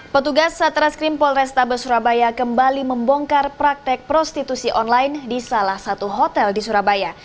petugas satreskrim polrestabes surabaya kembali membongkar praktek prostitusi online di salah satu hotel di surabaya